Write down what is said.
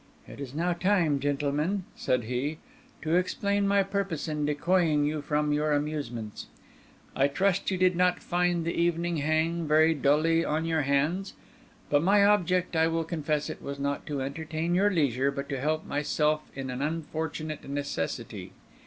"It is now time, gentlemen," said he, "to explain my purpose in decoying you from your amusements. I trust you did not find the evening hang very dully on your hands; but my object, I will confess it, was not to entertain your leisure, but to help myself in an unfortunate necessity.